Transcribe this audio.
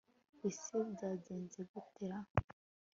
ase byagenze gute ra